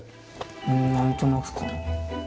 ん何となくかな。